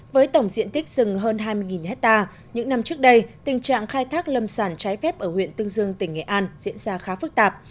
với tổng diện tích rừng hơn hai mươi hectare những năm trước đây tình trạng khai thác lâm sản trái phép ở huyện tương dương tỉnh nghệ an diễn ra khá phức tạp